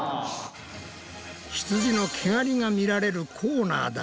ひつじの毛がりが見られるコーナーだ！